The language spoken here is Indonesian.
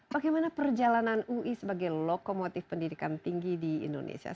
bagaimana perjalanan ui sebagai lokomotif pendidikan